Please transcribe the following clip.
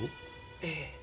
ええ。